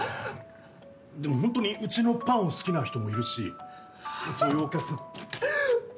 でもホントにうちのパンを好きな人もいるしそういうお客さん。